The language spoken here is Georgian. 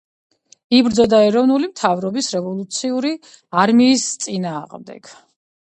იბრძოდა ეროვნული მთავრობის რევოლუციური არმიის წინააღმდეგ.